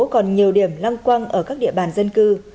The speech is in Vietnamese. còn nhiều điểm lăng quăng ở các địa bàn dân cư